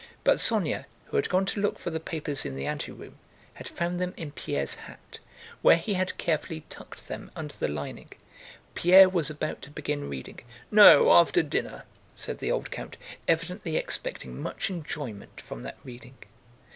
But Sónya, who had gone to look for the papers in the anteroom, had found them in Pierre's hat, where he had carefully tucked them under the lining. Pierre was about to begin reading. "No, after dinner," said the old count, evidently expecting much enjoyment from that reading.